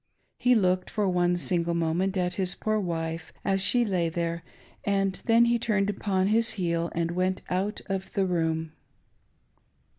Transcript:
He looked for one single moment at his poor wife as she lay there, and then he turned upon his heel and went out of the room.